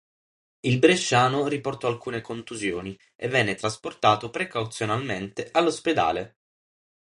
Il bresciano riportò alcune contusioni e venne trasportato precauzionalmente all'ospedale.